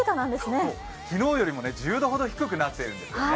昨日よりも１０度ほど低くなっているんですよね。